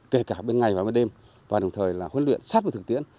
kể cả bên ngày và bên đêm và đồng thời huấn luyện sát được thực tiễn